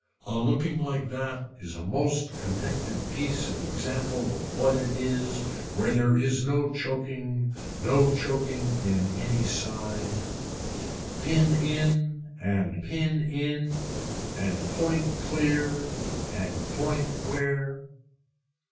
A looking like that is a most connected piece of example of what it is where there is no choking, no choking in any sign. Pin in and pin in and point clear and point where.